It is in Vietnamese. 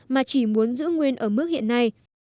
mà chỉ muốn giữ nguyên ở mức hiện nay